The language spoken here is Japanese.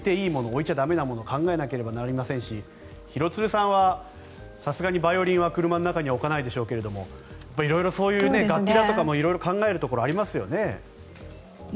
置いちゃ駄目なもの考えなければなりませんし廣津留さんはさすがにバイオリンは車の中には置かないでしょうけれど色々楽器だとかも考えるところもありますよね？